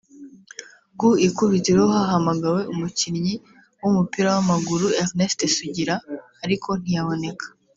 Ku ikubitiro hahamagawe umukinnyi w’umupira w’amaguru Ernest Sugira ariko ntiyaboneka